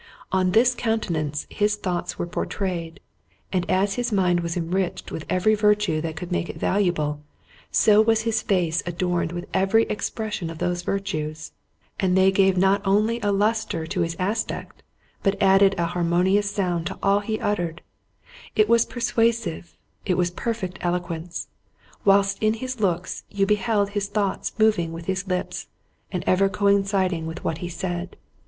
On this countenance his thoughts were pourtrayed; and as his mind was enriched with every virtue that could make it valuable, so was his face adorned with every expression of those virtues—and they not only gave a lustre to his aspect, but added a harmonious sound to all he uttered; it was persuasive, it was perfect eloquence; whilst in his looks you beheld his thoughts moving with his lips, and ever coinciding with what he said.